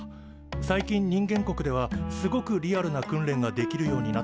最近人間国ではすごくリアルな訓練ができるようになってるんだって。